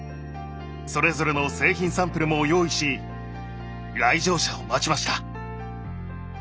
それぞれの製品サンプルも用意し来場者を待ちました。